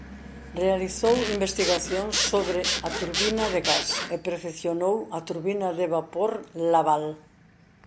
Realizou investigacións sobre a turbina de gas e perfeccionou a turbina de vapor Laval.